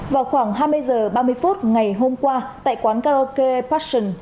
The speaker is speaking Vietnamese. vào khoảng hai mươi h ba mươi phút ngày hôm qua tại quán karaoke passion